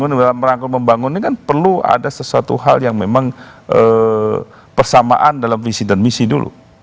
dalam rangka membangun ini kan perlu ada sesuatu hal yang memang persamaan dalam visi dan misi dulu